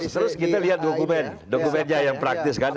terus kita lihat dokumen dokumennya yang praktis kan